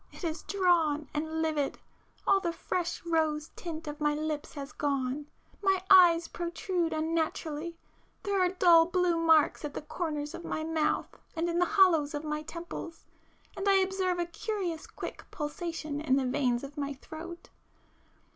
It is drawn and livid,—all the fresh rose tint of my lips has gone,—my eyes protrude unnaturally, ... there are dull blue marks at the corners of my mouth and in the hollows of my temples, and I observe a curious quick pulsation in the [p 421] veins of my throat.